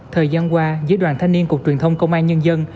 thời gian qua giữa đoàn thanh niên cục truyền thông công an nhân dân